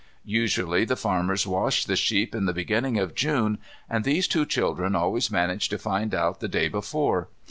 Usually the farmers wash the sheep in the beginning of June, and these two children always manage to find out the day before.